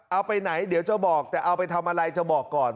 เอาไปไหนเดี๋ยวจะบอกแต่เอาไปทำอะไรจะบอกก่อน